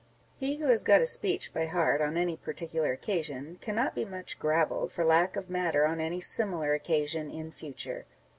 He who has got a speech by heart on any particular occasion, cannot be much gravelled for lack of matter on any similar occasion in future.